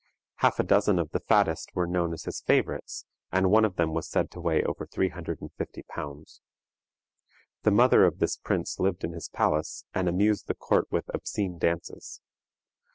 Half a dozen of the fattest were known as his favorites, and one of them was said to weigh over three hundred and fifty pounds. The mother of this prince lived in his palace, and amused the court with obscene dances.